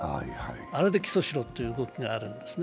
あれで起訴しろという動きがあるんですね。